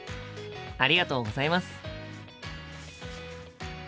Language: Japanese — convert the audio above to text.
ありがとうございます。